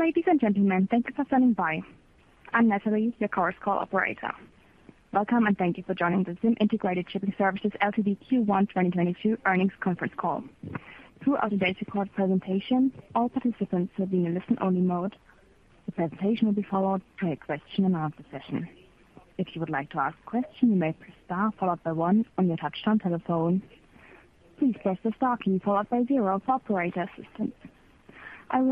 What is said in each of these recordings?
Ladies and gentlemen, thank you for standing by. I'm Natalie, your conference call operator. Welcome and thank you for joining the ZIM Integrated Shipping Services Ltd Q1 2022 Earnings Conference Call. Throughout today's recorded presentation, all participants will be in listen-only mode. The presentation will be followed by a question and answer session. If you would like to ask a question, you may press star followed by one on your touchtone telephone. Please press the star key followed by zero for operator assistance. I'd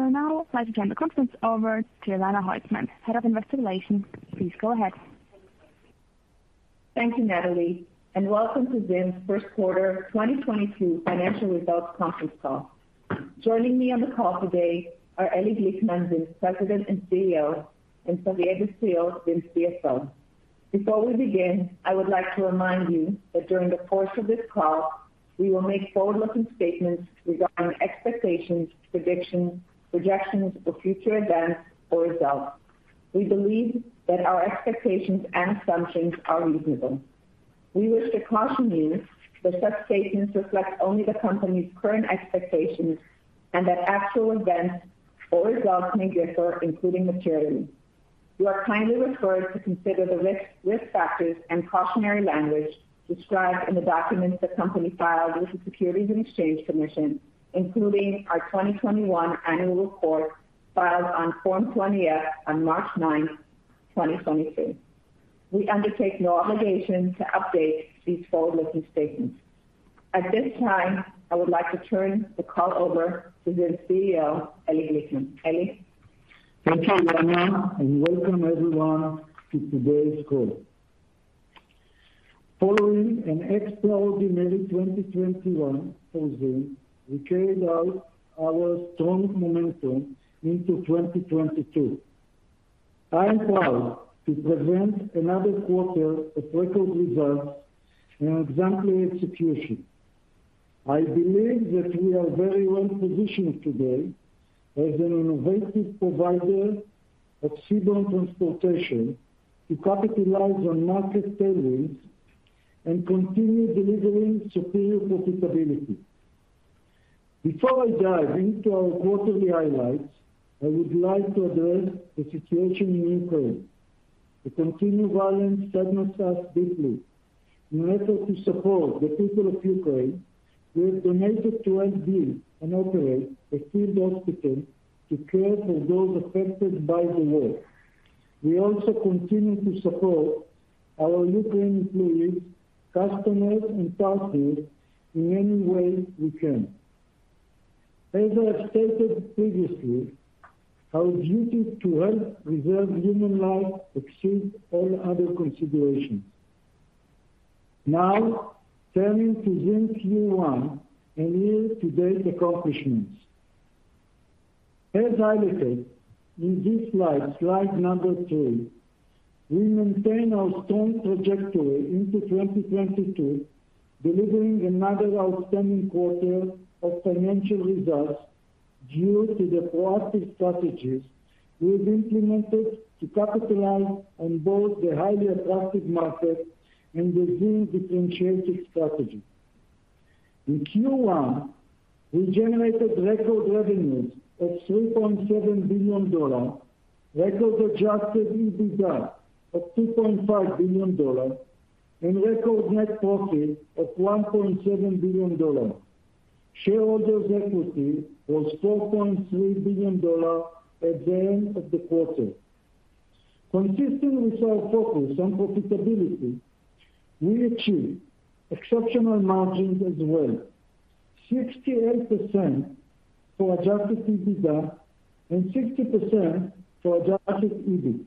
like to turn the conference over to Elana Holzman, Head of Investor Relations. Please go ahead. Thank you, Natalie, and welcome to ZIM's first quarter 2022 Financial Results Conference Call. Joining me on the call today are Eli Glickman, ZIM's President and CEO, and Xavier Destriau, ZIM's CFO. Before we begin, I would like to remind you that during the course of this call, we will make forward-looking statements regarding expectations, predictions, projections of future events or results. We believe that our expectations and assumptions are reasonable. We wish to caution you that such statements reflect only the company's current expectations and that actual events or results may differ, including materially. You are kindly referred to consider risk factors and cautionary language described in the documents the company filed with the Securities and Exchange Commission, including our 2021 annual report filed on Form 20-F on 9 March 2022. We undertake no obligation to update these forward-looking statements. At this time, I would like to turn the call over to Zim's CEO, Eli Glickman. Eli. Thank you, Elana, and welcome everyone to today's call. Following an extraordinary 2021 for ZIM, we carried out our strong momentum into 2022. I am proud to present another quarter of record results and exemplary execution. I believe that we are very well positioned today as an innovative provider of seaborne transportation to capitalize on market tailwinds and continue delivering superior profitability. Before I dive into our quarterly highlights, I would like to address the situation in Ukraine. The continued violence saddens us deeply. In an effort to support the people of Ukraine, we have donated to IDF and operate a field hospital to care for those affected by the war. We also continue to support our Ukrainian employees, customers, and partners in any way we can. As I have stated previously, our duty to help preserve human life exceeds all other considerations. Now, turning to ZIM's Q1 and year-to-date accomplishments. As highlighted in this slide number three, we maintain our strong trajectory into 2022, delivering another outstanding quarter of financial results due to the proactive strategies we have implemented to capitalize on both the highly attractive market and the ZIM differentiated strategy. In Q1, we generated record revenues of $3.7 billion, record adjusted EBITDA of $2.5 billion, and record net profit of $1.7 billion. Shareholders' equity was $4.3 billion at the end of the quarter. Consistent with our focus on profitability, we achieved exceptional margins as well, 68% for adjusted EBITDA and 60% for adjusted EBIT.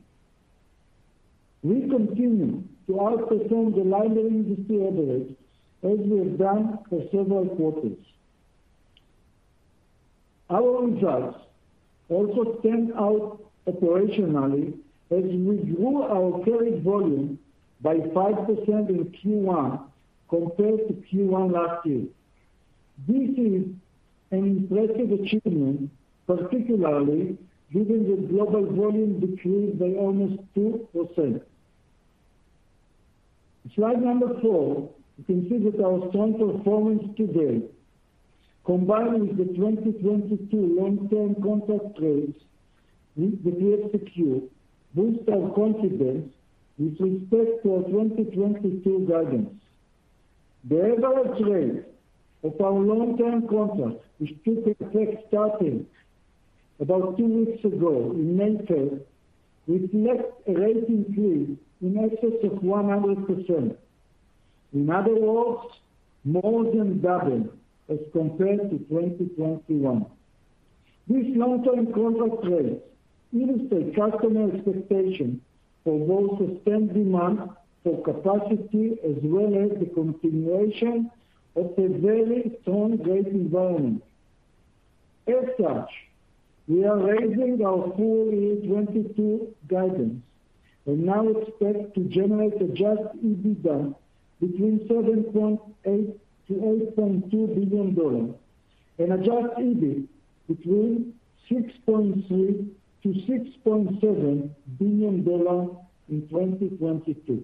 We continue to outperform the wider industry average as we have done for several quarters. Our results also stand out operationally as we grew our carried volume by 5% in Q1 compared to Q1 last year. This is an impressive achievement, particularly given that global volume decreased by almost 2%. Slide number four, you can see that our strong performance to date, combined with the 2022 long-term contract rates that we execute, boost our confidence with respect to our 2022 guidance. The average rate of our long-term contracts, which took effect starting about two weeks ago in May third, reflect a rate increase in excess of 100%. In other words, more than double as compared to 2021. These long-term contract rates illustrate customer expectation for both sustained demand for capacity as well as the continuation of a very strong rate environment. As such, we are raising our full year 2022 guidance and now expect to generate adjusted EBITDA between $7.8 billion-$8.2 billion and adjusted EBIT between $6.3 billion-$6.7 billion in 2022.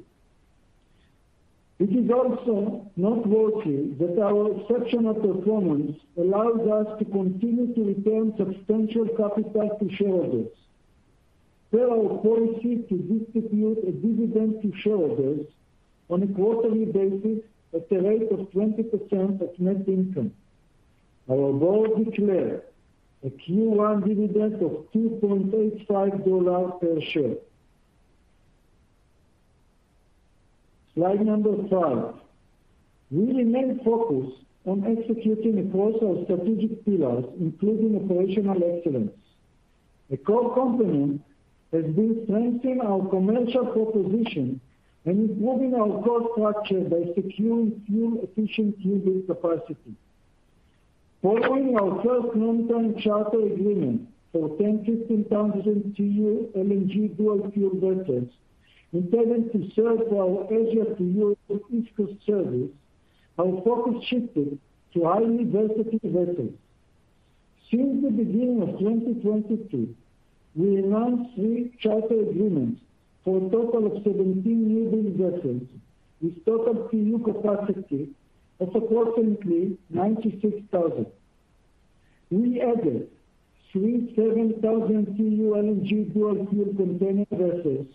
It is also noteworthy that our exceptional performance allows us to continue to return substantial capital to shareholders per our policy to distribute a dividend to shareholders on a quarterly basis at the rate of 20% of net income. Our board declared a Q1 dividend of $2.85 per share. Slide number five. We remain focused on executing across our strategic pillars, including operational excellence. The core company has been strengthening our commercial proposition and improving our cost structure by securing fuel efficient newbuild capacity. Following our first long-term charter agreement for 10,000-15,000 TEU LNG dual fuel vessels intended to serve our Asia to U.S. East Coast service, our focus shifted to highly versatile vessels. Since the beginning of 2022, we announced three charter agreements for a total of 17 newbuild vessels with total TEU capacity of approximately 96,000. We added three 7,000 TEU LNG dual fuel container vessels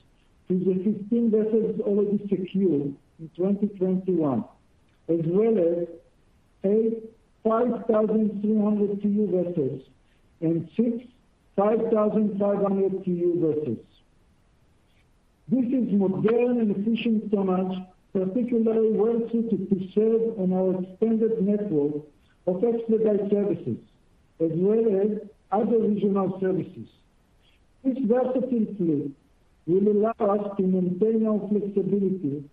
to the 15 vessels already secured in 2021, as well as eight 5,300 TEU vessels and six 5,500 TEU vessels. This is modern and efficient tonnage particularly well-suited to serve on our expanded network of expedited services as well as other regional services. This versatile fleet will allow us to maintain our flexibility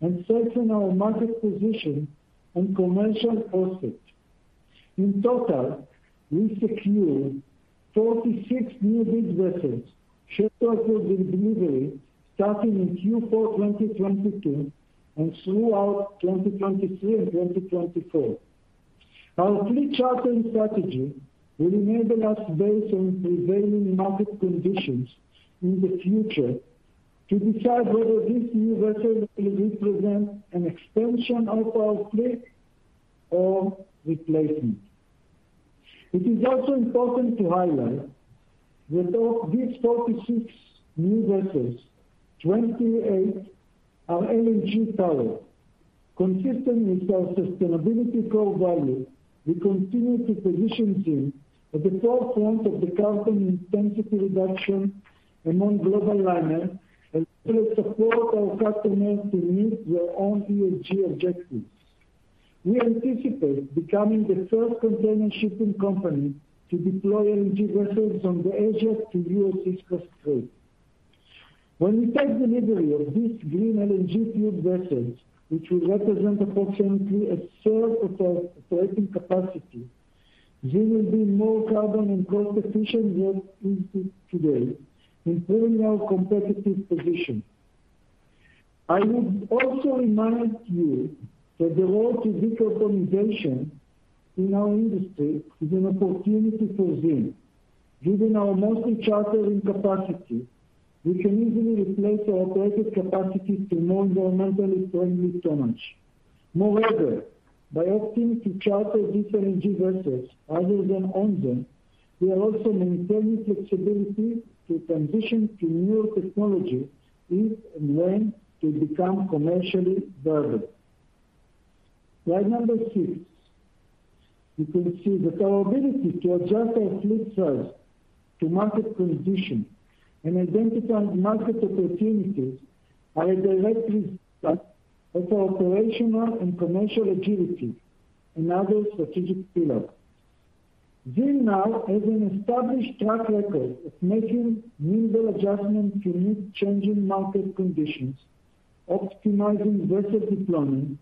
and strengthen our market position and commercial offset. In total, we secure 46 newbuild vessels scheduled for delivery starting in Q4 2022 and throughout 2023 and 2024. Our fleet chartering strategy will enable us based on prevailing market conditions in the future to decide whether these new vessels will represent an expansion of our fleet or replacement. It is also important to highlight that of these 46 new vessels, 28 are LNG powered. Consistent with our sustainability core value, we continue to position ZIM at the forefront of the carbon intensity reduction among global liners and to support our customers to meet their own ESG objectives. We anticipate becoming the first container shipping company to deploy LNG vessels on the Asia to U.S. East Coast trade. When we take delivery of these green LNG fueled vessels, which will represent approximately a third of our operating capacity, ZIM will be more carbon and cost efficient than it is today, improving our competitive position. I would also remind you that the road to decarbonization in our industry is an opportunity for ZIM. Given our mostly chartering capacity, we can easily replace our operated capacity to more environmentally friendly tonnage. Moreover, by opting to charter these LNG vessels rather than own them, we are also maintaining flexibility to transition to newer technology if and when it becomes commercially viable. Slide number six. You can see that our ability to adjust our fleet size to market conditions and identify market opportunities are a direct result of our operational and commercial agility and other strategic pillars. ZIM now has an established track record of making nimble adjustments to meet changing market conditions, optimizing vessel deployment,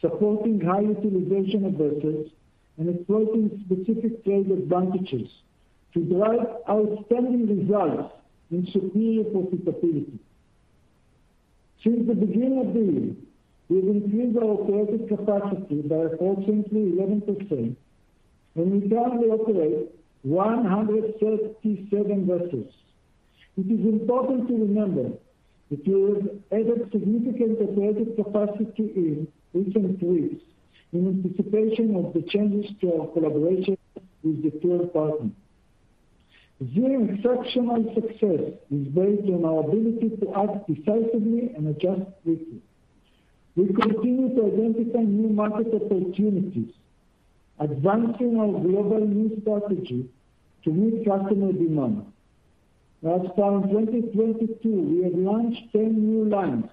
supporting high utilization of vessels, and exploiting specific trade advantages to drive outstanding results and superior profitability. Since the beginning of the year, we've increased our operating capacity by approximately 11%, and we currently operate 137 vessels. It is important to remember that we have added significant operating capacity in recent weeks in anticipation of the changes to our collaboration with the third party. ZIM's exceptional success is based on our ability to act decisively and adjust quickly. We continue to identify new market opportunities, advancing our global route strategy to meet customer demand. Last time, 2022, we have launched 10 new lines,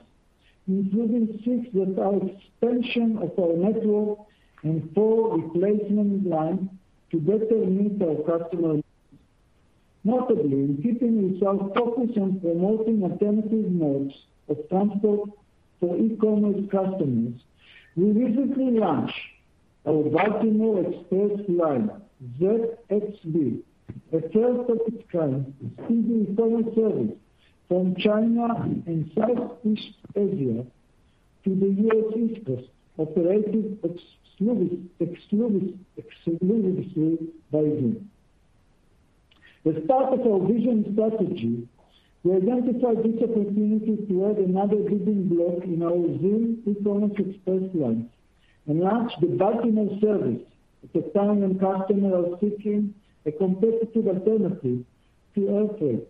including six that are expansion of our network and four replacement lines to better meet our customer needs. Notably, in keeping with our focus on promoting alternative modes of transport for e-commerce customers, we recently launched our Baltimore Express line, ZXB, a first of its kind seasonal summer service from China and Southeast Asia to the U.S. East Coast, operated exclusively by ZIM. As part of our vision strategy, we identified this opportunity to add another building block in our ZIM performance express line and launch the Baltimore service to inland customers seeking a competitive alternative to air freight.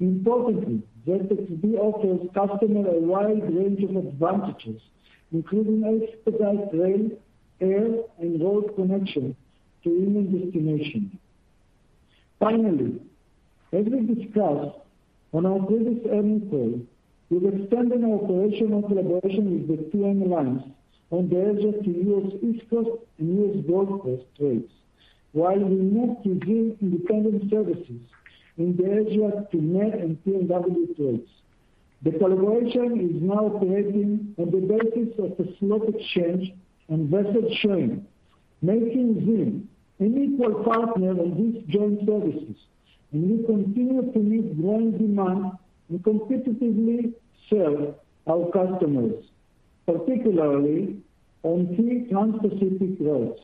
Importantly, ZXB offers customers a wide range of advantages, including expedited rail, air, and road connections to inland destinations. Finally, as we discussed on our previous earnings call, we've extended our cooperation and collaboration with the 2M lines on the Asia to U.S. East Coast and U.S. Gulf Coast trades, while we move to ZIM independent services in the Asia to NE and PNW trades. The collaboration is now operating on the basis of a slot exchange and vessel sharing, making ZIM an equal partner in these joint services. We continue to meet growing demand and competitively serve our customers, particularly on three transpacific routes.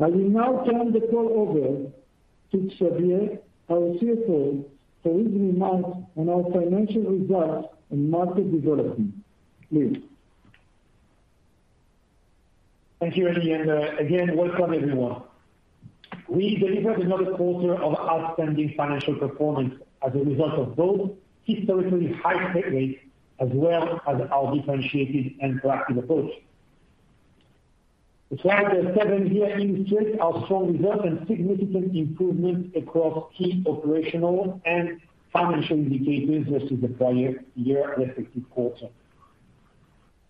I will now turn the call over to Xavier, our CFO, for his remarks on our financial results and market development. Please. Thank you, Eli, and again, welcome everyone. We delivered another quarter of outstanding financial performance as a result of both historically high freight rates as well as our differentiated and proactive approach. The slide seven here illustrates our strong results and significant improvements across key operational and financial indicators versus the prior year respective quarter.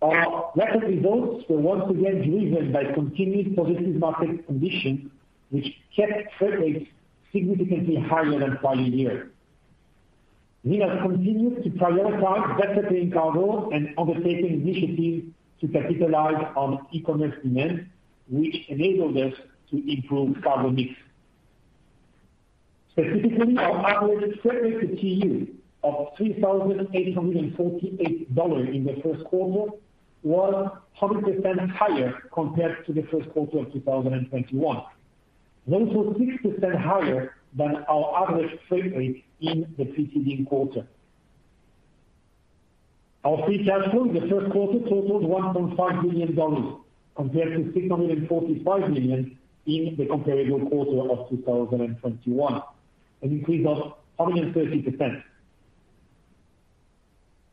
Our record results were once again driven by continued positive market conditions, which kept freight rates significantly higher than prior year. We have continued to prioritize vessel clean cargo and undertaking initiatives to capitalize on e-commerce demand, which enabled us to improve cargo mix. Specifically, our average freight rate per TEU of $3,848 in the first quarter was 100% higher compared to the first quarter of 2021. That was 6% higher than our average freight rate in the preceding quarter. Our free cash flow in the first quarter totaled $1.5 billion, compared to $645 million in the comparable quarter of 2021, an increase of 130%.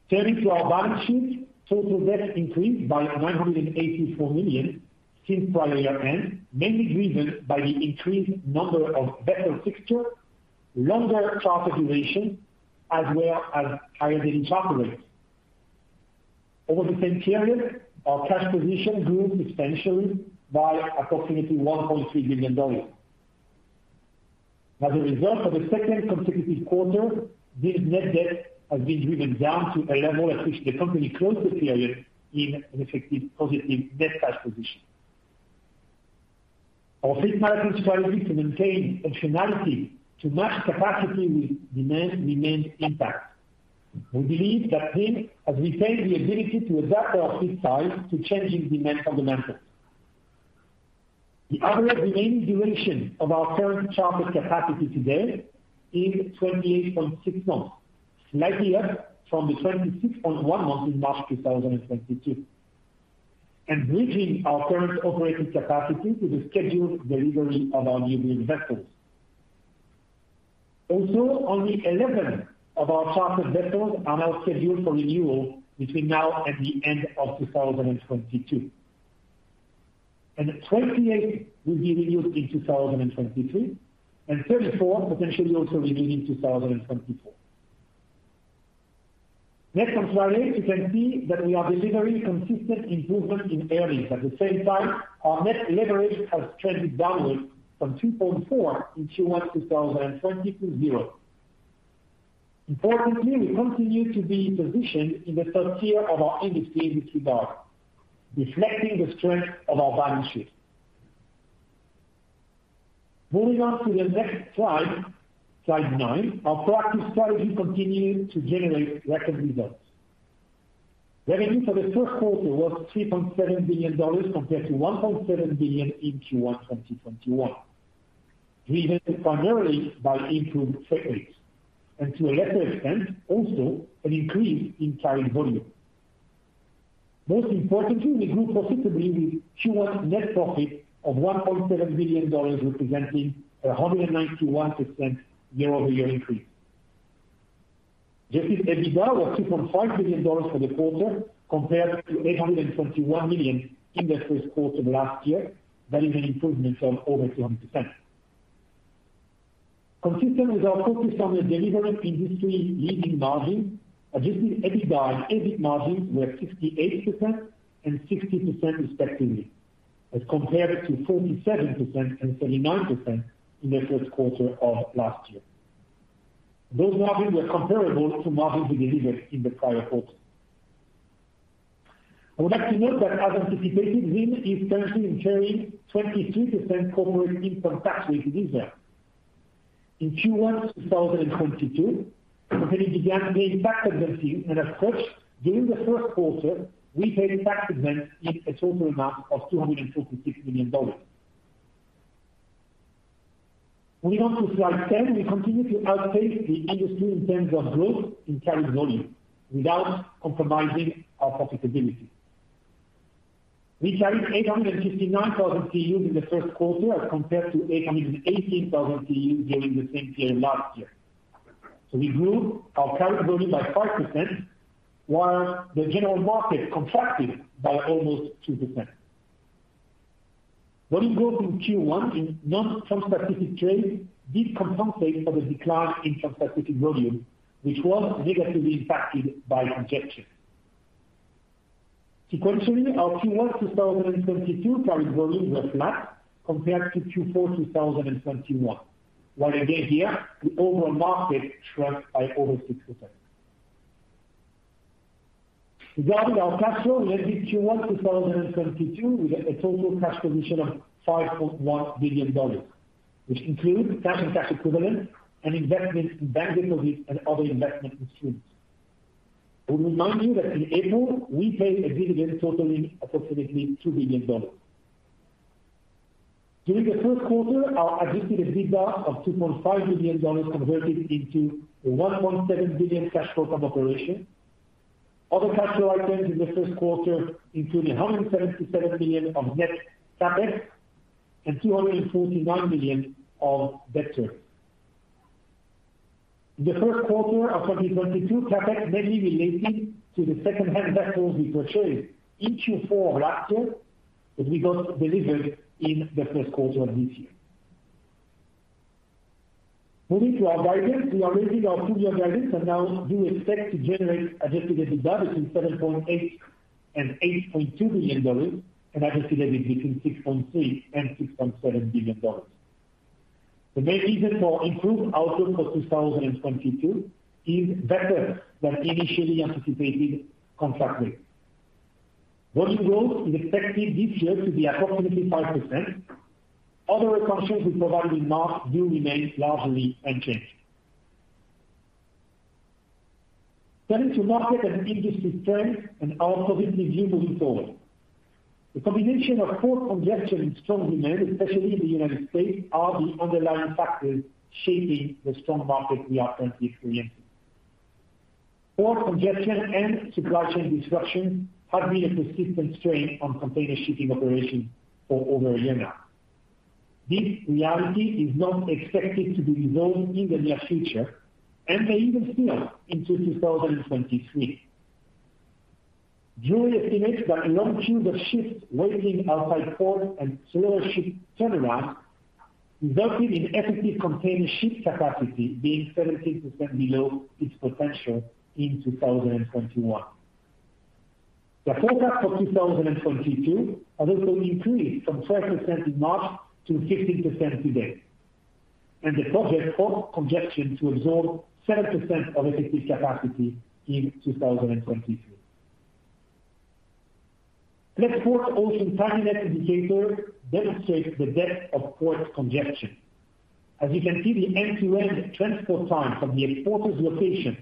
Turning to our balance sheet, total debt increased by $984 million since prior year-end, mainly driven by the increased number of vessel fixtures, longer charter duration, as well as higher daily charter rates. Over the same period, our cash position grew substantially by approximately $1.3 billion. As a result, for the second consecutive quarter, ZIM's net debt has been driven down to a level at which the company closed the period in an effective positive net cash position. Our fleet management strategy to maintain optionality to match capacity with demand remains intact. We believe that ZIM has retained the ability to adapt our fleet size to changing demand fundamentals. The average remaining duration of our current chartered capacity today is 28.6 months, slightly up from the 26.1 months in March 2022. Bridging our current operating capacity to the scheduled delivery of our newbuild vessels. Also, only 11 of our chartered vessels are now scheduled for renewal between now and the end of 2022. Twenty-eight will be renewed in 2023, and 34 potentially also renewing in 2024. In contrast, you can see that we are delivering consistent improvement in earnings. At the same time, our net leverage has trended downward from two point four in Q1 2020 to zero. Importantly, we continue to be positioned in the top tier of our industry in regard, reflecting the strength of our balance sheet. Moving on to the next slide nine. Our proactive strategy continued to generate record results. Revenue for the first quarter was $3.7 billion compared to $1.7 billion in Q1 2021, driven primarily by improved freight rates and to a lesser extent, also an increase in carried volume. Most importantly, we grew profitably with Q1 net profit of $1.7 billion, representing a 191% year-over-year increase. Adjusting EBITDA was $3.5 billion for the quarter, compared to $821 million in the first quarter of last year. That is an improvement of over 200%. Consistent with our focus on delivering industry-leading margin, adjusted EBITDA and EBIT margins were 68% and 60% respectively, as compared to 47% and 39% in the first quarter of last year. Those margins were comparable to margins we delivered in the prior quarter. I would like to note that as anticipated, ZIM is currently incurring 23% corporate income tax rate in Israel. In Q1 2022, we then began being tax-exempt, and as such, during the first quarter, we paid tax expense in a total amount of $226 million. Moving on to slide 10. We continue to outpace the industry in terms of growth in carried volume without compromising our profitability. We carried 859,000 TEUs in the first quarter as compared to 818,000 TEUs during the same period last year. We grew our carried volume by 5% while the general market contracted by almost 2%. Volume growth in Q1 in non-transpacific trade did compensate for the decline in transpacific volume, which was negatively impacted by congestion. Sequentially, our Q1 2022 carried volumes were flat compared to Q4 2021 while again here the overall market shrunk by over 6%. Regarding our cash flow, we ended Q1 2022 with a total cash position of $5.1 billion, which includes cash and cash equivalents and investments in banking and other investment instruments. We remind you that in April, we paid a dividend totaling approximately $2 billion. During the first quarter, our adjusted EBITDA of $2.5 billion converted into $1.7 billion cash flow from operations. Other cash flow items in the first quarter included $177 million of net CapEx and $249 million of debt service. The first quarter of 2022 CapEx mainly related to the secondhand vessels we purchased in Q4 last year that we got delivered in the first quarter of this year. Moving to our guidance. We are raising our full year guidance and now do expect to generate adjusted EBITDA between $7.8 billion and $8.2 billion and adjusted net between $6.3 billion and $6.7 billion. The main reason for improved outlook for 2022 is better than initially anticipated contract mix. Volume growth is expected this year to be approximately 5%. Other assumptions we provide in March do remain largely unchanged. Turning to market and industry trends and our positive view moving forward. The combination of port congestion and strong demand, especially in the United States, are the underlying factors shaping the strong market we are currently experiencing. Port congestion and supply chain disruptions have been a persistent strain on container shipping operations for over a year now. This reality is not expected to be resolved in the near future and may even spill into 2023. Drewry estimates that long queues of ships waiting outside ports and slower ship turnaround resulted in effective container ship capacity being 17% below its potential in 2021. The forecast for 2022 has also increased from 12% in March to 15% today, and they project port congestion to absorb 7% of effective capacity in 2022. Transport ocean timing indicator demonstrates the depth of port congestion. As you can see, the end-to-end transport time from the exporter's location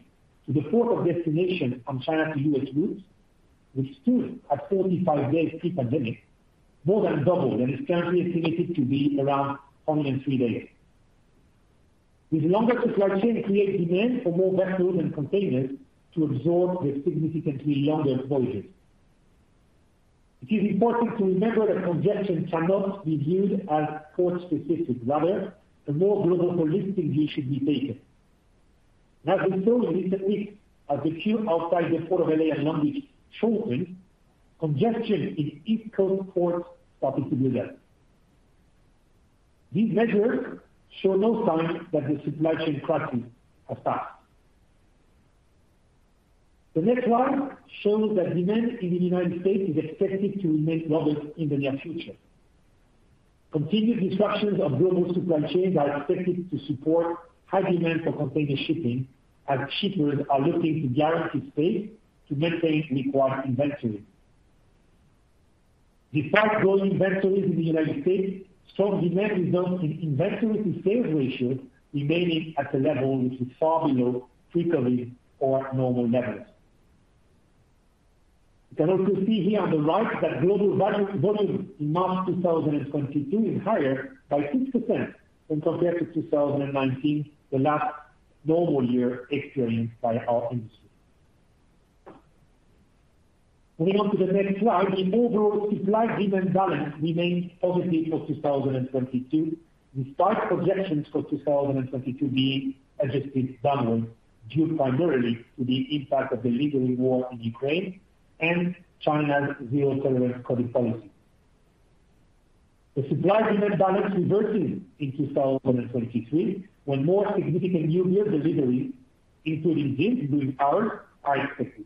to the port of destination on China to U.S. routes, which stood at 45 days pre-pandemic, more than doubled and is currently estimated to be around 73 days. This longer supply chain creates demand for more vessels and containers to absorb the significantly longer voyages. It is important to remember that congestion cannot be viewed as port specific. Rather, a more global holistic view should be taken. As we saw recently, as the queue outside the port of L.A. and Long Beach shortened, congestion in East Coast ports started to build up. These measures show no signs that the supply chain crisis has passed. The next slide shows that demand in the United States is expected to remain robust in the near future. Continued disruptions of global supply chains are expected to support high demand for container shipping, as shippers are looking to guarantee space to maintain required inventories. Despite growing inventories in the United States, strong demand results in inventory to sales ratio remaining at a level which is far below pre-COVID or normal levels. You can also see here on the right that global volume in March 2022 is higher by 6% when compared to 2019, the last normal year experienced by our industry. Moving on to the next slide. The overall supply/demand balance remains positive for 2022, despite projections for 2022 being adjusted downward due primarily to the impact of the lingering war in Ukraine and China's zero-tolerance COVID policy. The supply/demand balance reverses in 2023, when more significant new-build delivery, including this during ours, are expected.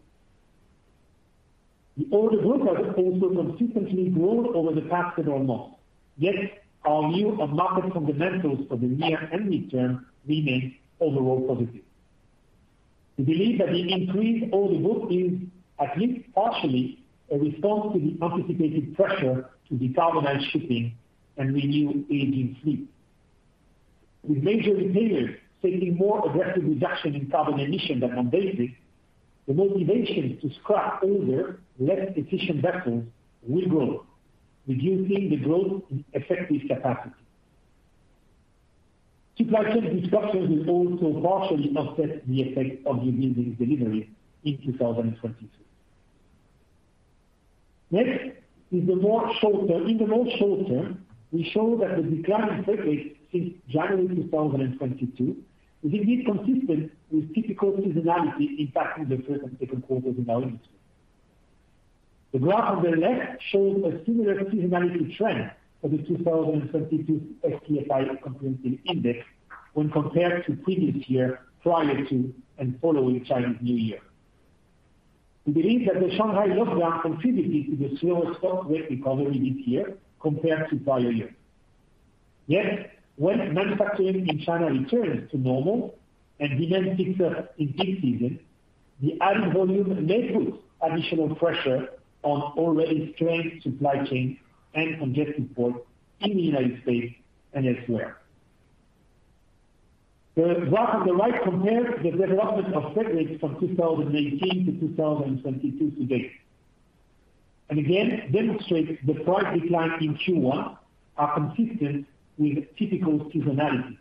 The order book has also consistently grown over the past several months, yet our view of market fundamentals for the near and midterm remains overall positive. We believe that the increased order book is at least partially a response to the anticipated pressure to decarbonize shipping and renew aging fleet. With major retailers taking more aggressive reduction in carbon emission than on basic, the motivation to scrap older, less efficient vessels will grow, reducing the growth in effective capacity. Supply chain disruptions will also partially offset the effect of new building delivery in 2022. Next is the more shorter. In the shorter term, we show that the decline in freight rates since January 2022 is indeed consistent with typical seasonality impacting the first and second quarters of the year. The graph on the left shows a similar seasonality trend for the 2022 SCFI Comprehensive Index when compared to previous year prior to and following Chinese New Year. We believe that the Shanghai lockdown contributed to the slower spot rate recovery this year compared to prior year. Yet, when manufacturing in China returns to normal and demand picks up in peak season, the added volume may put additional pressure on already strained supply chain and congested ports in the United States and elsewhere. The graph on the right compares the development of freight rates from 2018 to 2022 to date. Again, demonstrates the price decline in Q1 are consistent with typical seasonality.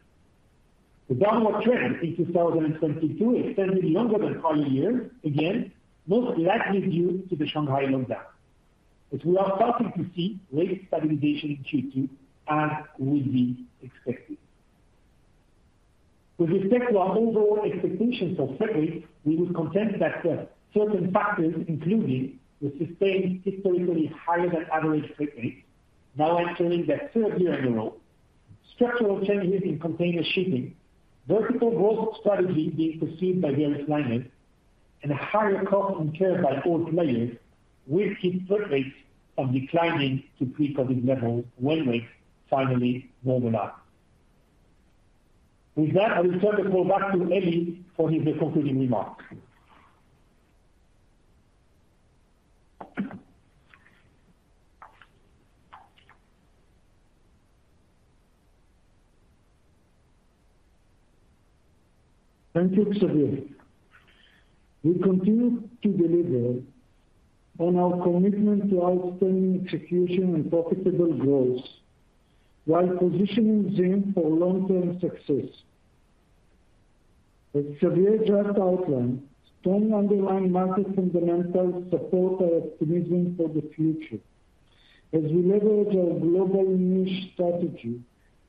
The downward trend in 2022 extended longer than prior years, again, most likely due to the Shanghai lockdown, but we are starting to see rate stabilization in Q2 as would be expected. With respect to our overall expectations for freight rates, we would contend that certain factors, including the sustained historically higher than average freight rates now entering their third year in a row, structural changes in container shipping, vertical growth strategy being pursued by various liners, and higher costs incurred by all players will keep freight rates from declining to pre-COVID levels when rates finally normalize. With that, I will turn the call back to Eli for his concluding remarks. Thank you, Xavier. We continue to deliver on our commitment to outstanding execution and profitable growth while positioning ZIM for long-term success. As Xavier just outlined, strong underlying market fundamentals support our optimism for the future as we leverage our global niche strategy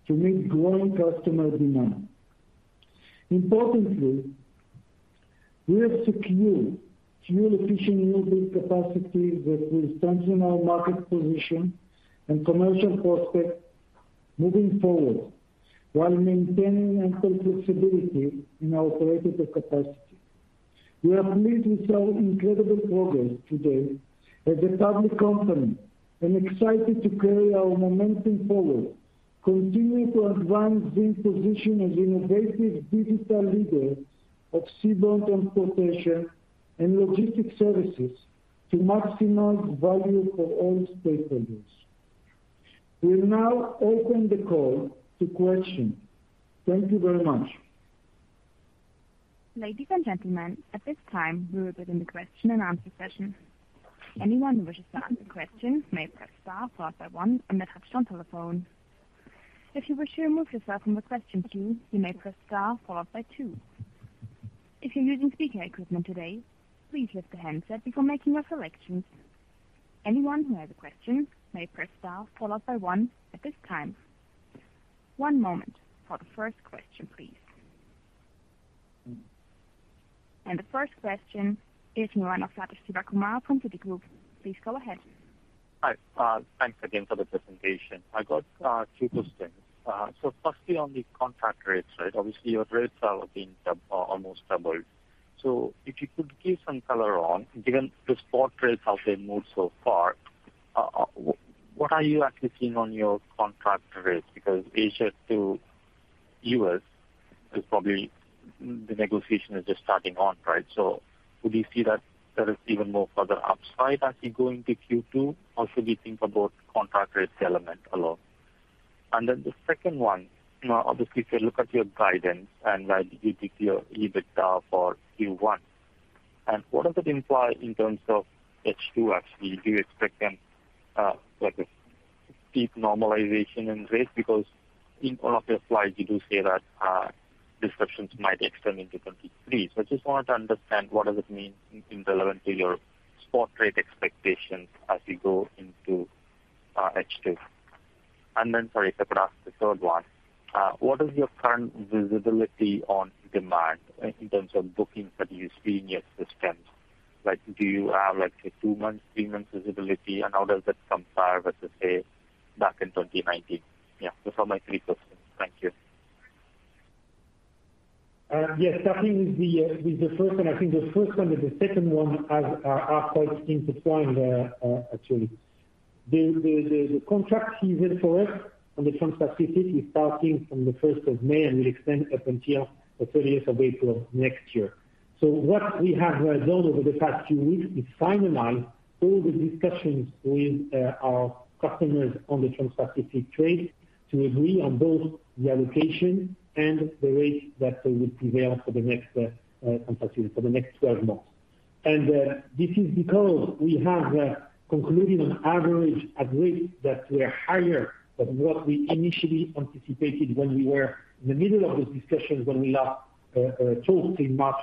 to meet growing customer demand. Importantly, we have secured fuel-efficient newbuild capacity that will strengthen our market position and commercial prospects moving forward while maintaining ample flexibility in our operated capacity. We are pleased with our incredible progress today as a public company and excited to carry our momentum forward, continuing to advance ZIM's position as innovative digital leader of seaborne transportation and logistics services to maximize value for all stakeholders. We will now open the call to questions. Thank you very much. Ladies and gentlemen, at this time, we will begin the question and answer session. Anyone who wishes to ask a question may press star followed by one on their touchtone telephone. If you wish to remove yourself from the question queue, you may press star followed by two. If you're using speaker equipment today, please lift the handset before making your selections. Anyone who has a question may press star followed by one at this time. One moment for the first question, please. The first question is Sathish Sivakumar from Citigroup. Please go ahead. Hi. Thanks again for the presentation. I got two questions. Firstly, on the contract rates, right? Obviously, your rates are being almost doubled. If you could give some color on, given the spot rates, how they moved so far, what are you actually seeing on your contract rates? Because Asia to U.S. is probably the negotiation is just starting on, right? Would you see that there is even more further upside as you go into Q2? How should we think about contract rates element alone? The second one, you know, obviously, if you look at your guidance and like you took your EBITDA for Q1, and what does it imply in terms of H2 actually? Do you expect like a steep normalization in rates? Because in one of your slides, you do say that, disruptions might extend into 2023. I just wanted to understand what does it mean in relation to your spot rate expectations as you go into H2. Then, sorry, if I could ask the third one, what is your current visibility on demand in terms of bookings that you see in your systems? Like, do you have, let's say, two months, three months visibility? How does that compare with, let's say, back in 2019? Yeah, those are my three questions. Thank you. Yes. Starting with the first one. I think the first one and the second one are quite intertwined, actually. The contract season for us on the Transpacific is starting from the first of May and will extend up until the thirtieth of April next year. What we have done over the past few weeks is finalize all the discussions with our customers on the Transpacific trade to agree on both the allocation and the rates that will prevail for the next 12 months. This is because we have concluded on average a rate that we are higher than what we initially anticipated when we were in the middle of those discussions when we last talked in March,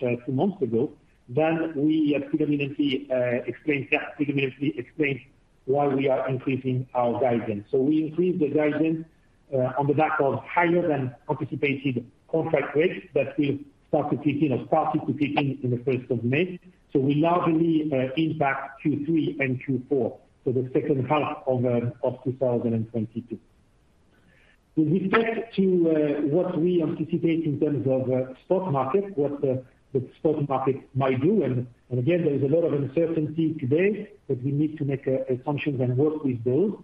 two months ago. We at CMA CGM explained that CMA CGM explained why we are increasing our guidance. We increased the guidance on the back of higher than anticipated contract rates that will start to kick in, or started to kick in the first of May. We now believe impact Q3 and Q4, so the second half of 2022. With respect to what we anticipate in terms of spot market, what the spot market might do, and again, there is a lot of uncertainty today, but we need to make assumptions and work with those.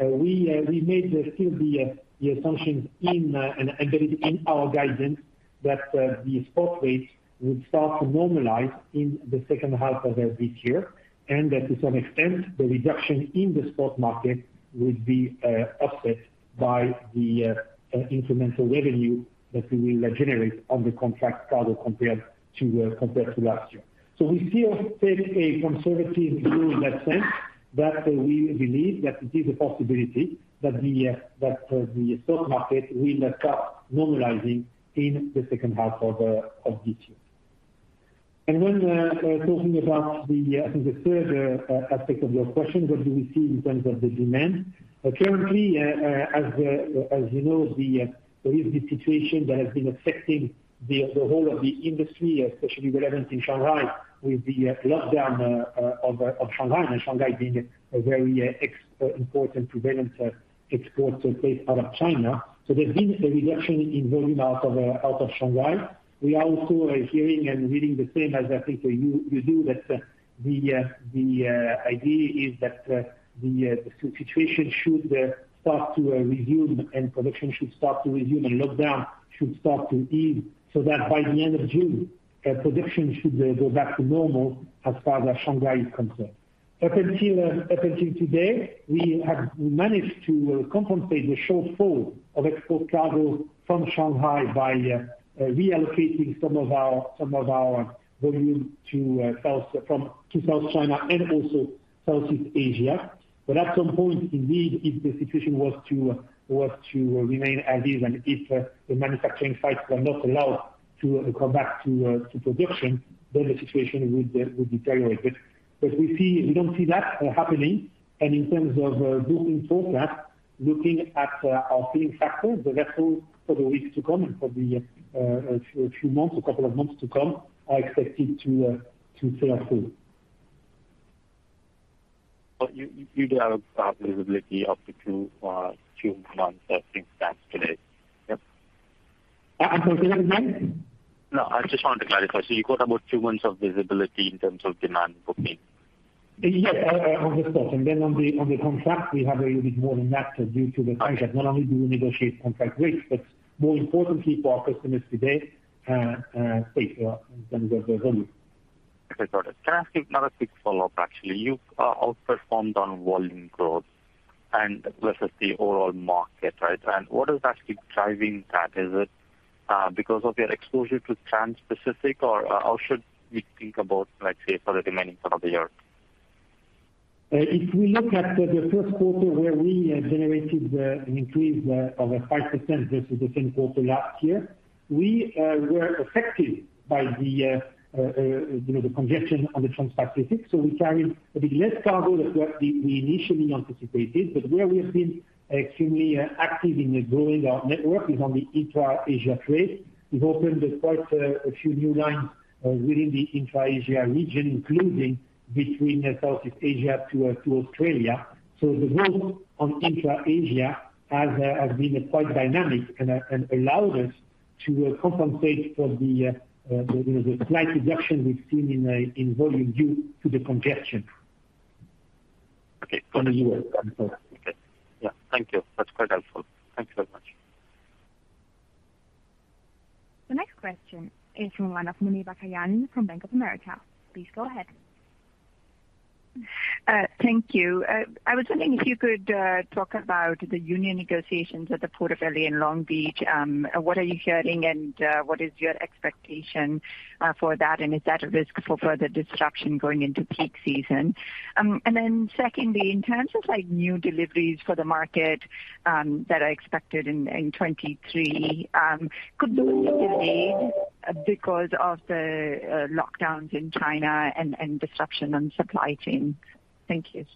We made still the assumptions in and that is in our guidance that the spot rates will start to normalize in the second half of this year. That to some extent, the reduction in the spot market will be offset by the incremental revenue that we will generate on the contract cargo compared to last year. We still take a conservative view in that sense, but we believe that it is a possibility that the spot market will start normalizing in the second half of this year. When talking about, I think, the third aspect of your question, what do we see in terms of the demand? Currently, as you know, there is the situation that has been affecting the whole of the industry, especially relevant in Shanghai with the lockdown of Shanghai, and Shanghai being a very important, relevant export place out of China. There's been a reduction in volume out of Shanghai. We are also hearing and reading the same as I think you do, that the situation should start to resume and production should start to resume, and lockdown should start to ease, so that by the end of June, production should go back to normal as far as Shanghai is concerned. Up until today, we have managed to compensate the shortfall of export cargo from Shanghai by reallocating some of our volume to South China and also Southeast Asia. At some point, indeed, if the situation was to remain as is, and if the manufacturing sites were not allowed to come back to production, then the situation would deteriorate. We don't see that happening. In terms of booking forecast, looking at our filling factor, the vessels for the weeks to come and for the few months or couple of months to come, are expected to sail full. You do have visibility up to two months, I think. That's today. Yep. I'm sorry, say that again. No, I just wanted to clarify. You've got about two months of visibility in terms of demand booking. Yeah, on the spot. On the contract, we have a little bit more than that due to the nature. Not only do we negotiate contract rates, but more importantly for our customers today, rather than the volume. Okay, got it. Can I ask you another quick follow-up, actually? You've outperformed on volume growth and versus the overall market, right? What is actually driving that? Is it because of your exposure to Transpacific or how should we think about, like, say, for the remaining part of the year? If we look at the first quarter where we generated an increase of 5% versus the same quarter last year, we were affected by the, you know, the congestion on the Transpacific. We carried a bit less cargo than what we initially anticipated. Where we have been extremely active in growing our network is on the intra-Asia trade. We've opened quite a few new lines within the intra-Asia region, including between Southeast Asia to Australia. The growth on intra-Asia has been quite dynamic and allowed us to compensate for the, you know, the slight reduction we've seen in volume due to the congestion. Okay. On the year. Okay. Yeah. Thank you. That's quite helpful. Thank you very much. The next question is from [Omar Nokta] from Bank of America. Please go ahead. Thank you. I was wondering if you could talk about the union negotiations at the Port of L.A. in Long Beach. What are you hearing and what is your expectation for that? Is that a risk for further disruption going into peak season? Secondly, in terms of like new deliveries for the market that are expected in 2023, could those be delayed because of the lockdowns in China and disruption on supply chains? Thank you.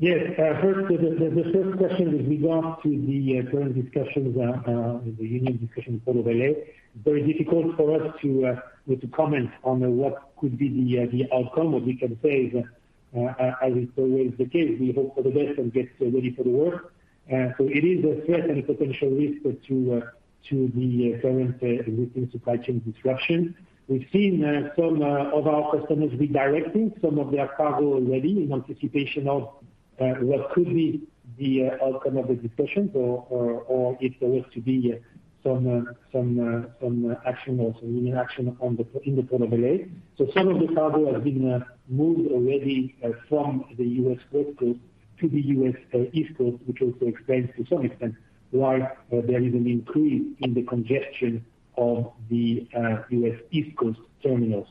Yes. First, the first question with regard to the current discussions, the union discussions Port of L.A., very difficult for us to comment on what could be the outcome. What we can say is, as is always the case, we hope for the best and get ready for the worst. It is a threat and a potential risk to the current routine supply chain disruption. We've seen some of our customers redirecting some of their cargo already in anticipation of what could be the outcome of the discussions or if there was to be some action or some inaction in the Port of L.A. Some of the cargo has been moved already from the U.S. West Coast to the U.S. East Coast, which also explains to some extent why there is an increase in the congestion of the U.S. East Coast terminals.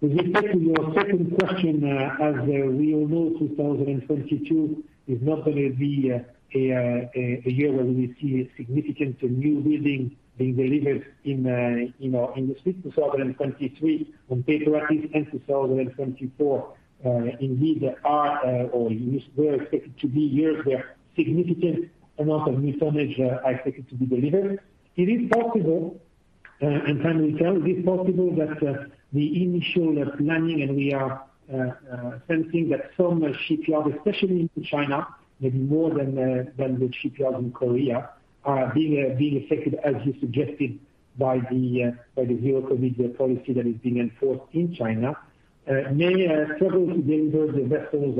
With respect to your second question, as we all know, 2022 is not gonna be a year where we see significant new building being delivered in our industry. 2023, on paper at least, and 2024, indeed are, or they're expected to be years where significant amount of new tonnage are expected to be delivered. It is possible, and time will tell, it is possible that the initial planning, and we are sensing that some shipyards, especially in China, maybe more than the shipyards in Korea, are being affected, as you suggested, by the Zero-COVID policy that is being enforced in China, may struggle to deliver the vessels,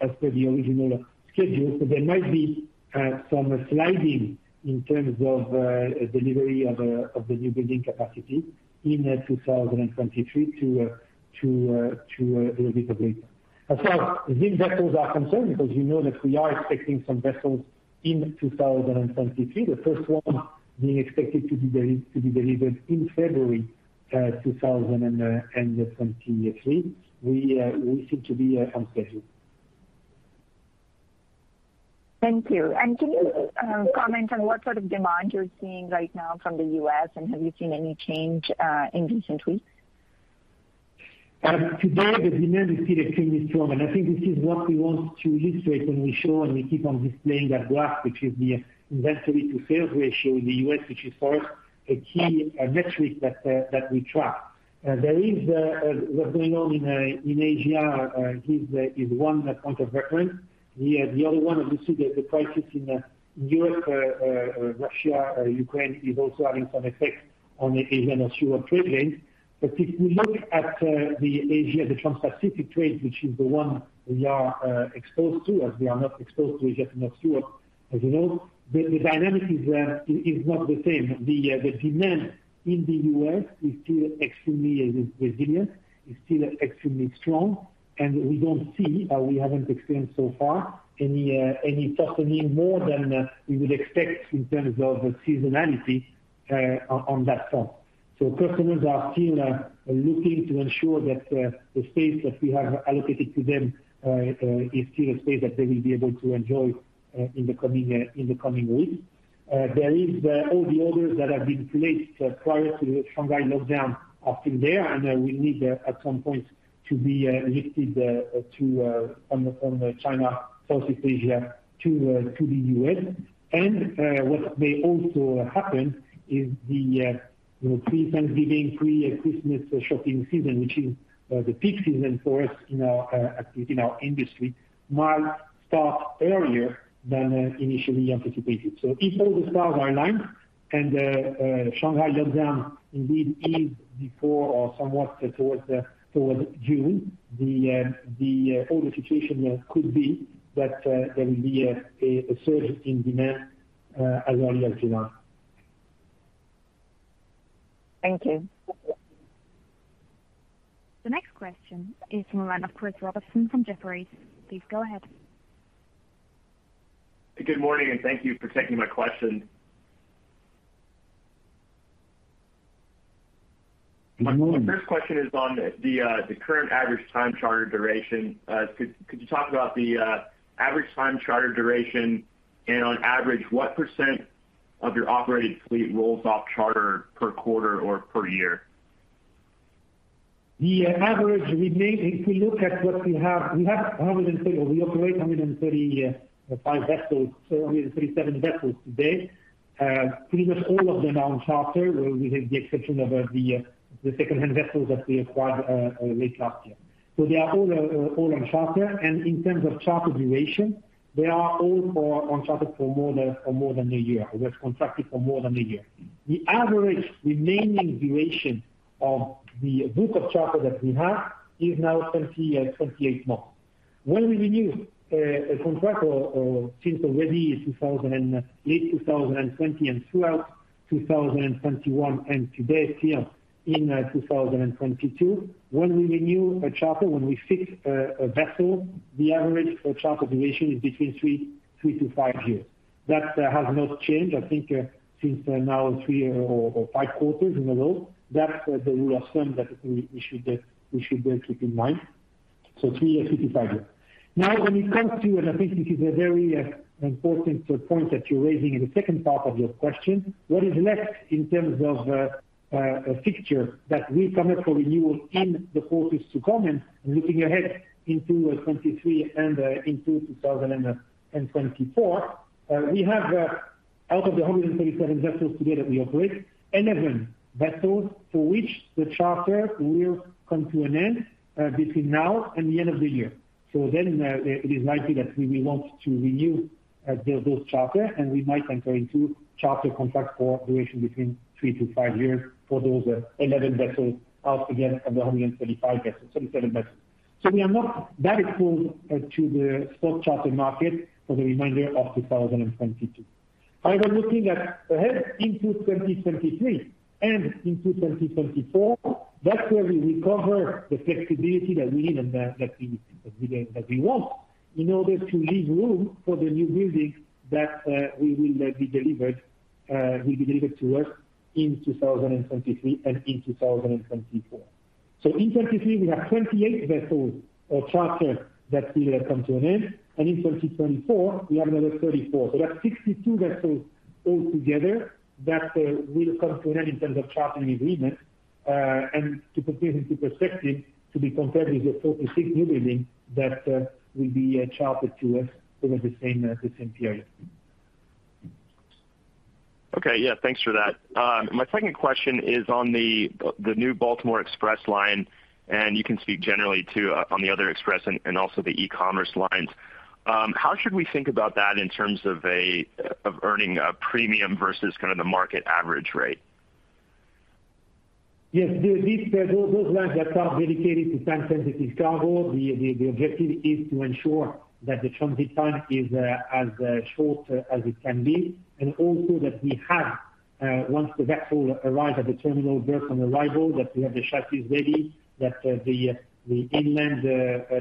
as per the original schedule. There might be some sliding in terms of delivery of the new building capacity in 2023 to a little bit late. As far as these vessels are concerned, because you know that we are expecting some vessels in 2023, the first one being expected to be delivered in February 2023. We seem to be on schedule. Thank you. Can you comment on what sort of demand you're seeing right now from the U.S., and have you seen any change in recent weeks? Today the demand is still extremely strong, and I think this is what we want to illustrate when we show and we keep on displaying that graph, which is the inventory to sales ratio in the U.S., which is for us a key metric that we track. There is, what's going on in Asia, is one point of reference. The other one is you see that the crisis in Europe, Russia, Ukraine is also having some effect on Asia and Europe trade lanes. If we look at the Asia Transpacific trade, which is the one we are exposed to, as we are not exposed to Asia-Europe and Europe, as you know, the dynamic is not the same. The demand in the U.S. is still extremely resilient, is still extremely strong, and we don't see, or we haven't experienced so far any softening more than we would expect in terms of seasonality, on that front. Customers are still looking to ensure that the space that we have allocated to them is still a space that they will be able to enjoy in the coming weeks. There is all the orders that have been placed prior to the Shanghai lockdown are still there, and will need at some point to be lifted from China, Southeast Asia to the U.S. What may also happen is the, you know, pre-Thanksgiving, pre-Christmas shopping season, which is the peak season for us in our industry, might start earlier than initially anticipated. If all the stars are aligned and the Shanghai lockdown indeed ends before or somewhat towards June, the overall situation could be that there will be a surge in demand as early as July. Thank you. The next question is from the line of Chris Robertson from Jefferies. Please go ahead. Good morning, and thank you for taking my question. Morning. My first question is on the current average time charter duration. Could you talk about the average time charter duration? On average, what % of your operated fleet rolls off charter per quarter or per year? The average remaining. If we look at what we have, we operate 135 vessels, so 137 vessels today. Pretty much all of them are on charter, with the exception of the secondhand vessels that we acquired late last year. They are all on charter. In terms of charter duration, they are all on charter for more than a year, or that's contracted for more than a year. The average remaining duration of the book of charter that we have is now 28 months. When we renew a contract or since already two thousand and Late 2020 and throughout 2021 and to date here in 2022, when we renew a charter, when we fix a vessel, the average charter duration is between three to five years. That has not changed, I think, since now three or five quarters in a row. That's the rule of thumb that we should bear in mind. Three to five years. Now, when it comes to, and I think this is a very important point that you're raising in the second part of your question, what is left in terms of a fixture that we commit for renewal in the quarters to come and looking ahead into 2023 and into 2024, we have out of the 137 vessels today that we operate, 11 vessels for which the charter will come to an end between now and the end of the year. It is likely that we will want to renew those charter, and we might enter into charter contracts for duration between three to five years for those 11 vessels out of the 137 vessels. We are not that exposed to the spot charter market for the remainder of 2022. I am looking ahead into 2023 and into 2024, that's where we recover the flexibility that we need and that we want in order to leave room for the new buildings that will be delivered to us in 2023 and in 2024. In 2023 we have 28 vessels or charters that will have come to an end, and in 2024, we have another 34. That's 62 vessels all together that will come to an end in terms of chartering agreement. To put things into perspective, to be compared with the 46 new buildings that will be chartered to us over the same period. Okay. Yeah, thanks for that. My second question is on the new Baltimore Express line, and you can speak generally too on the other express and also the e-commerce lines. How should we think about that in terms of of earning a premium versus kind of the market average rate? Yes. Those lines that are dedicated to time-sensitive cargo, the objective is to ensure that the transit time is as short as it can be, and also that we have, once the vessel arrives at the terminal berth on arrival, that we have the chassis ready, that the inland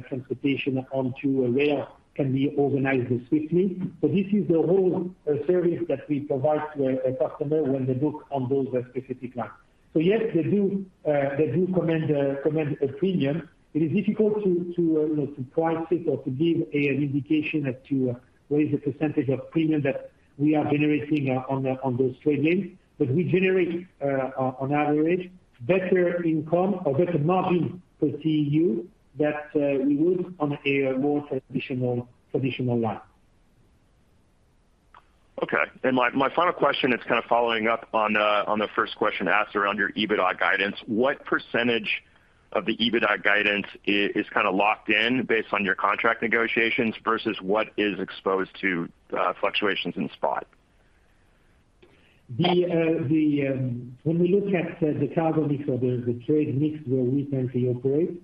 transportation onto a rail can be organized swiftly. This is the whole service that we provide to a customer when they book on those specific lines. Yes, they do command a premium. It is difficult to, you know, to price it or to give an indication as to what is the percentage of premium that we are generating on those trade lanes. We generate on average better income or better margin per TEU than we would on a more traditional line. Okay. My final question, it's kind of following up on the first question asked around your EBITDA guidance. What percentage of the EBITDA guidance is kinda locked in based on your contract negotiations versus what is exposed to fluctuations in spot? When we look at the cargo mix or the trade mix where we currently operate,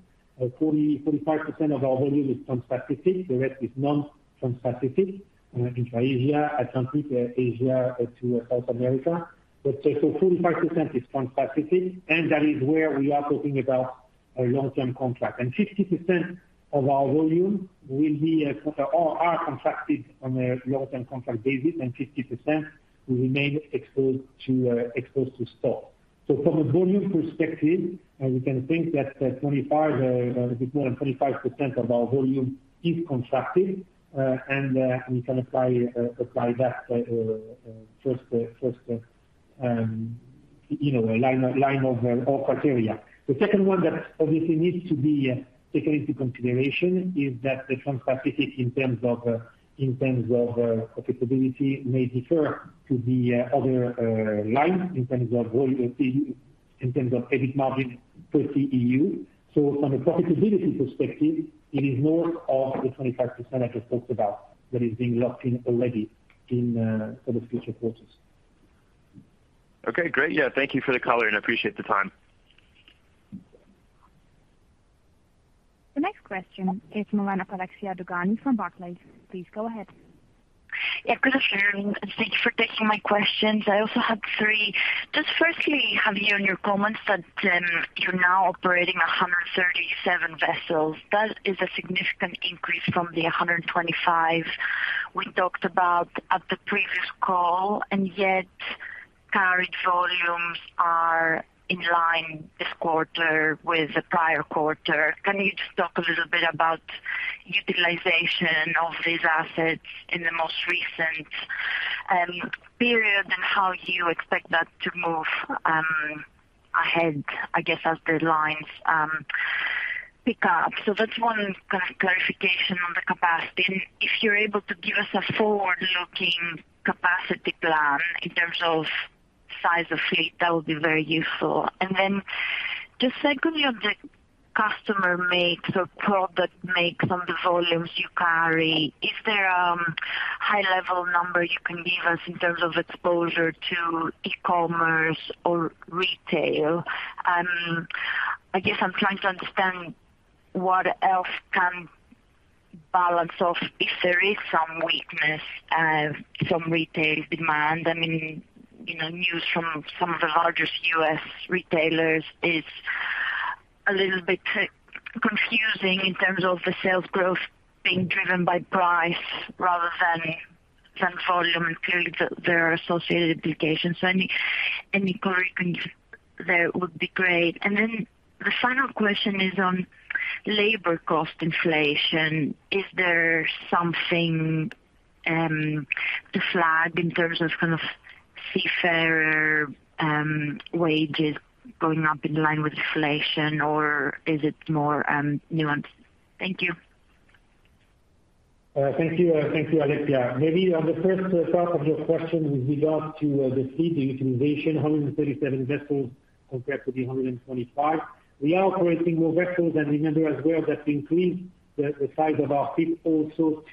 45% of our volume is Transpacific, the rest is non-Transpacific, intra-Asia, Atlantic, Asia to South America. 45% is Transpacific, and that is where we are talking about a long-term contract. 50% of our volume will be or are contracted on a long-term contract basis, and 50% will remain exposed to spot. From a volume perspective, we can think that a bit more than 25% of our volume is contracted. We can apply that first, you know, line of criteria. The second one that obviously needs to be taken into consideration is that the Transpacific in terms of profitability may differ to the other lines in terms of volume TEU, in terms of EBIT margin per TEU. From a profitability perspective, it is more of the 25% I just talked about that is being locked in already in for the future quarters. Okay, great. Yeah, thank you for the color, and I appreciate the time. The next question is Alexia Dogani from Barclays. Please go ahead. Yeah, good afternoon, and thank you for taking my questions. I also have three. Just firstly, Javi, on your comments that you're now operating 137 vessels. That is a significant increase from the 125 we talked about at the previous call, and yet carriage volumes are in line this quarter with the prior quarter. Can you just talk a little bit about utilization of these assets in the most recent period and how you expect that to move ahead, I guess, as the lines pick up? So that's one kind of clarification on the capacity. If you're able to give us a forward-looking capacity plan in terms of size of fleet, that would be very useful. Just secondly, on the customer mix or product mix on the volumes you carry, is there high level number you can give us in terms of exposure to e-commerce or retail? I guess I'm trying to understand what else can balance off if there is some weakness from retail demand. I mean, you know, news from some of the largest U.S. retailers is a little bit confusing in terms of the sales growth being driven by price rather than volume, and clearly there are associated implications. Any color you can give there would be great. The final question is on labor cost inflation. Is there something to flag in terms of kind of seafarer wages going up in line with inflation, or is it more nuanced? Thank you. Thank you. Thank you, Alexia. Maybe on the first part of your question with regard to the fleet, the utilization, 137 vessels compared to the 125. We are operating more vessels, and remember as well that we increased the size of our fleet also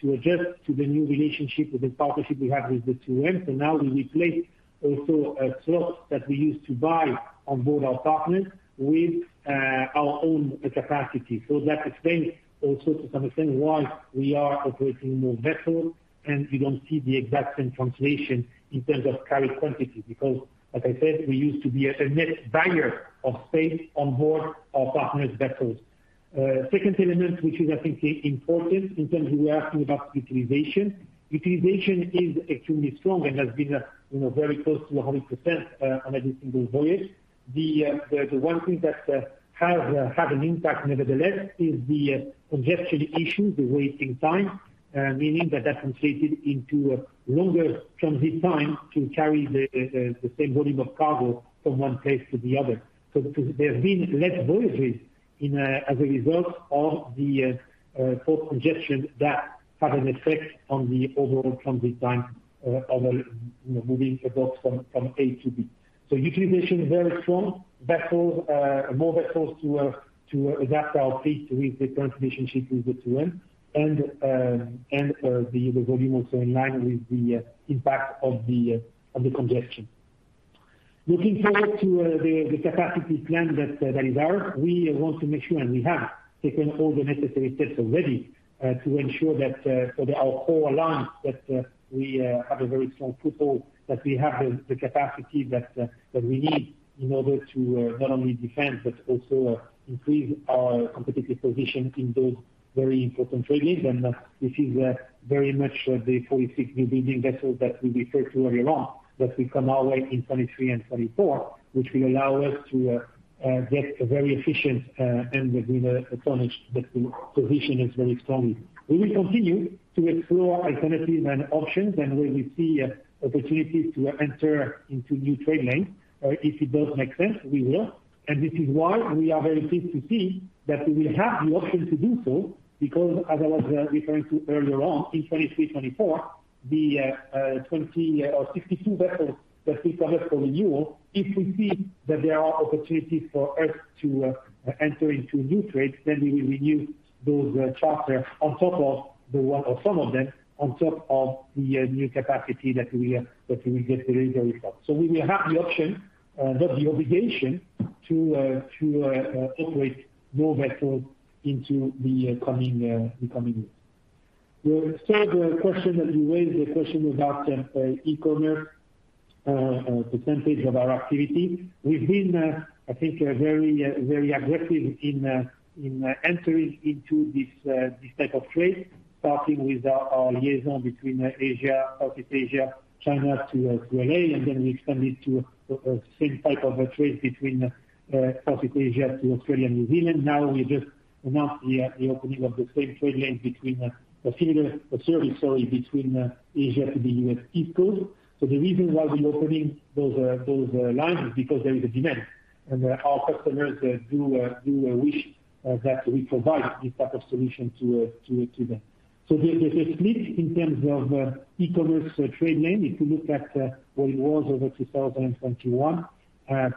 to adjust to the new relationship with the partnership we have with the 2M. Now we replace also a slot that we used to buy on board our partners with our own capacity. That explains also to some extent why we are operating more vessels, and you don't see the exact same translation in terms of cargo quantity because like I said, we used to be a net buyer of space on board our partners' vessels. Second element, which I think is important in terms of us asking about utilization. Utilization is extremely strong and has been, you know, very close to 100%, on every single voyage. The one thing that have had an impact nevertheless is the congestion issue, the waiting time, meaning that that translated into a longer transit time to carry the same volume of cargo from one place to the other. There's been less voyages as a result of the port congestion that had an effect on the overall transit time of, you know, moving the goods from A to B. Utilization, very strong. Vessels, more vessels to adapt our fleet with the transformation ship with the 2M. The volume also in line with the impact of the congestion. Looking forward to the capacity plan that is ours, we want to make sure and we have taken all the necessary steps already to ensure that for our whole alliance, that we have a very strong foothold, that we have the capacity that we need in order to not only defend, but also improve our competitive position in those very important trade lanes. This is very much the 46 newbuilding vessels that we referred to earlier on that will come our way in 2023 and 2024, which will allow us to get a very efficient end between the tonnage that the position is very strong. We will continue to explore alternatives and options and where we see opportunities to enter into new tradelines, if it does make sense, we will. This is why we are very pleased to see that we will have the option to do so, because as I was referring to earlier on, in 2023, 2024, the 20 or 62 vessels that we promised for renewal, if we see that there are opportunities for us to enter into new trades, then we will renew those charter on top of the one or some of them, on top of the new capacity that we will get later this year. We will have the option, but the obligation to operate more vessels into the coming years. The third question that you raised, the question was about e-commerce percentage of our activity. We've been, I think, very aggressive in entering into this type of trade, starting with our liaison between Asia, Southeast Asia, China to LA, and then we expanded to same type of a trade between Southeast Asia to Australia and New Zealand. Now we just announced the opening of the same trade lane between a similar service, sorry, between Asia to the U.S. East Coast. The reason why we're opening those lines is because there is a demand, and our customers do wish that we provide this type of solution to them. There's a split in terms of e-commerce trade lane. If you look at what it was over 2021,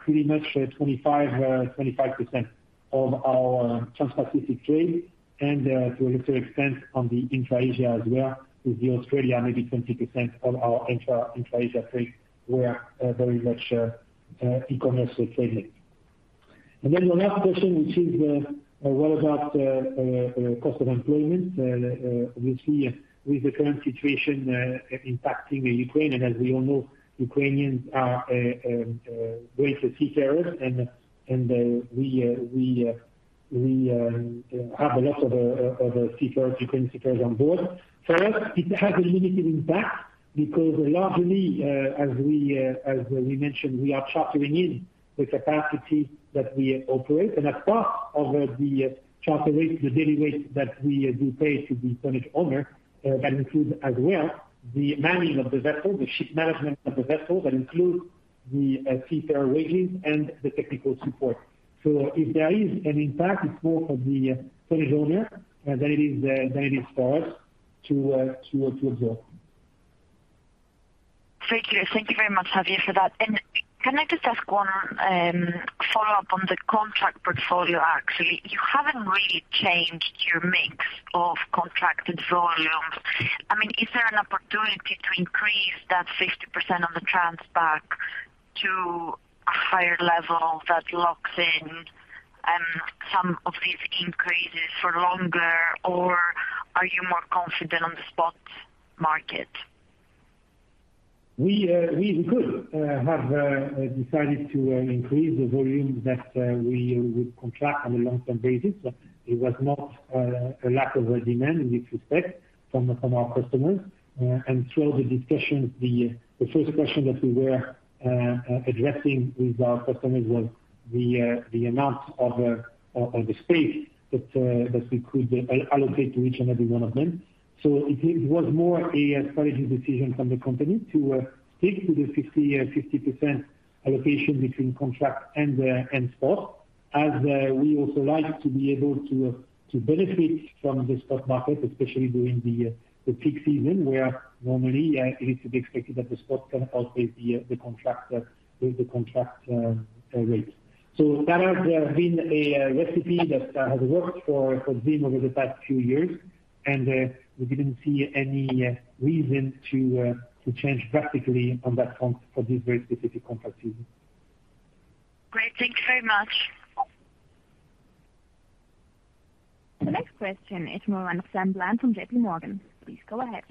pretty much 25% of our Transpacific trade and to a lesser extent on the intra-Asia as well, with the Australia maybe 20% of our intra-Asia trade were very much e-commerce trade lane. The last question, which is what about cost of employment? Obviously with the current situation impacting Ukraine, and as we all know, Ukrainians are great seafarers and we have a lot of seafarers, Ukrainian seafarers on board. For us, it has a limited impact because largely, as we mentioned, we are chartering in the capacity that we operate. As part of the charter rate, the daily rate that we do pay to the tonnage owner, that includes as well the manning of the vessel, the ship management of the vessel. That includes the seafarer wages and the technical support. If there is an impact, it's more for the tonnage owner than it is for us to absorb. Thank you. Thank you very much, Xavier, for that. Can I just ask one follow-up on the contract portfolio, actually? You haven't really changed your mix of contracted volumes. I mean, is there an opportunity to increase that 50% of the Transpacific to a higher level that locks in some of these increases for longer? Or are you more confident on the spot market? We could have decided to increase the volume that we would contract on a long-term basis. It was not a lack of a demand in this respect from our customers. Through the discussions, the first question that we were addressing with our customers was the amount of the space that we could allocate to each and every one of them. It was more a strategic decision from the company to stick to the 50% allocation between contract and spot, as we also like to be able to benefit from the spot market, especially during the peak season, where normally it is to be expected that the spot can outweigh the contract rate. That has been a recipe that has worked for ZIM over the past few years, and we didn't see any reason to change drastically on that front for this very specific contract season. Great. Thank you very much. The next question is from Sam Bland from JPMorgan. Please go ahead.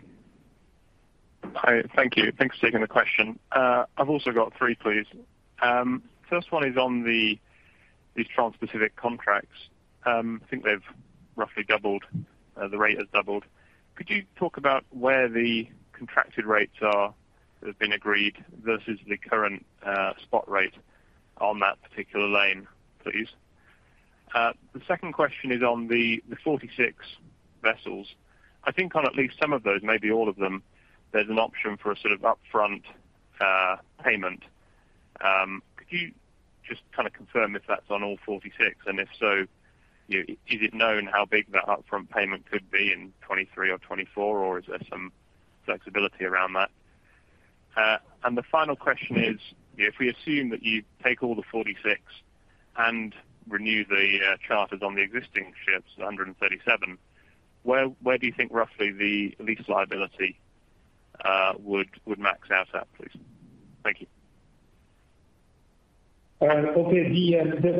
Hi, thank you. Thanks for taking the question. I've also got three, please. First one is on these Transpacific contracts. I think they've roughly doubled. The rate has doubled. Could you talk about where the contracted rates are that have been agreed versus the current spot rate on that particular lane, please? The second question is on the 46 vessels. I think on at least some of those, maybe all of them, there's an option for a sort of upfront payment. Could you just kinda confirm if that's on all 46? And if so, you know, is it known how big that upfront payment could be in 2023 or 2024, or is there some flexibility around that? The final question is, if we assume that you take all the 46 and renew the charters on the existing ships, the 137, where do you think roughly the lease liability would max out at, please? Thank you. On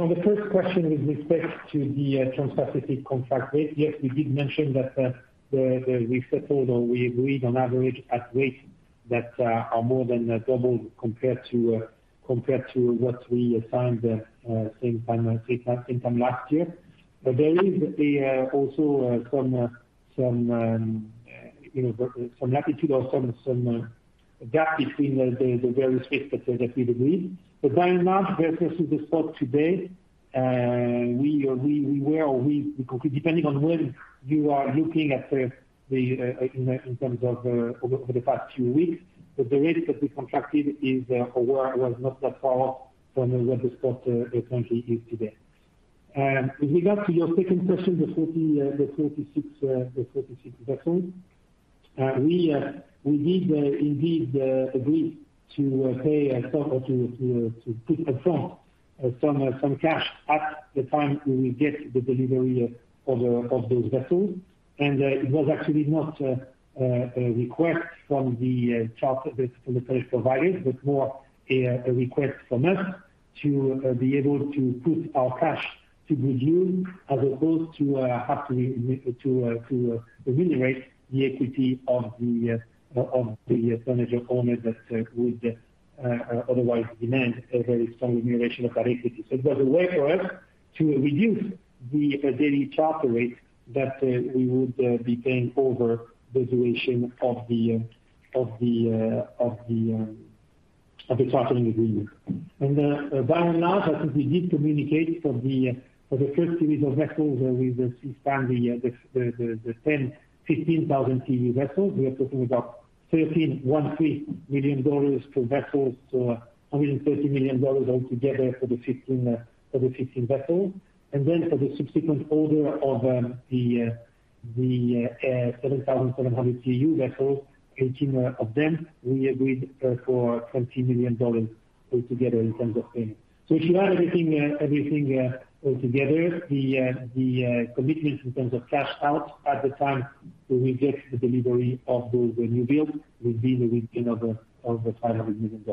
the first question with respect to the Transpacific contract rate, yes, we did mention that, the re-fix order we agreed on average at rates that are more than double compared to compared to what we signed the same time last year. There is also some you know some latitude or some gap between the various rates that we've agreed. By and large, versus the spot today, we were or depending on when you are looking at the in terms of over the past few weeks, but the rates that we contracted were not that far from what the spot currently is today. With regard to your second question, the 46 vessels. We did indeed agree to pay a total to put upfront some cash at the time we will get the delivery of those vessels. It was actually not a request from the charterers or the sellers provided, but more a request from us to be able to put our cash to good use, as opposed to have to remunerate the equity of the manager owner that would otherwise demand a very strong remuneration of that equity. It was a way for us to reduce the daily charter rate that we would be paying over the duration of the chartering agreement. By and large, I think we did communicate for the first series of vessels that we've expanded, the 10,000-15,000 TEU vessels. We are talking about $13.13 million per vessel to $130 million all together for the 15 vessels. For the subsequent order of the 7,700 TEU vessels, 18 of them, we agreed for $20 million all together in terms of payment. If you add everything all together, the commitments in terms of cash out at the time we get the delivery of those new builds will be in the region of $500 million.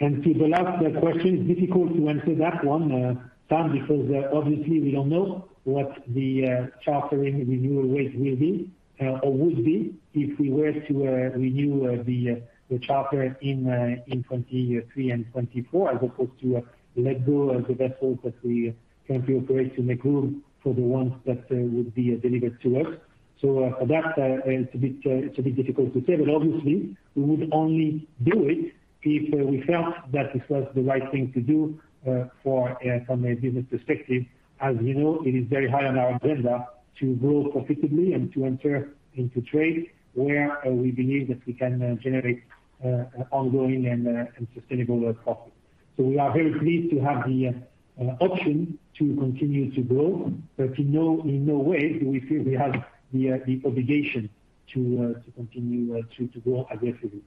To the last question, it's difficult to answer that one, Sam, because obviously we don't know what the chartering renewal rates will be or would be if we were to renew the charter in 2023 and 2024 as opposed to let go of the vessels that we currently operate to make room for the ones that would be delivered to us. For that, it's a bit difficult to say. Obviously, we would only do it if we felt that this was the right thing to do, from a business perspective. As you know, it is very high on our agenda to grow profitably and to enter into trades where we believe that we can generate ongoing and sustainable profit. We are very pleased to have the option to continue to grow, but in no way do we feel we have the obligation to continue to grow aggressively.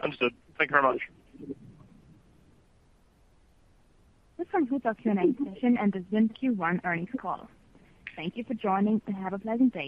Understood. Thank you very much. This concludes our Q&A session and the ZIM Q1 Earnings Call. Thank you for joining, and have a pleasant day.